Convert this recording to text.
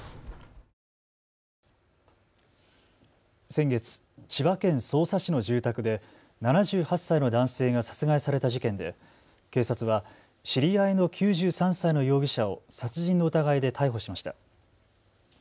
先月、千葉県匝瑳市の住宅で７８歳の男性が殺害された事件で警察は知り合いの９３歳の容疑者を殺人の疑いで逮捕しました。